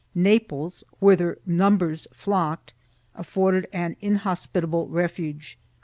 1 Naples, whither numbers flocked, afforded an inhospitable ref uge.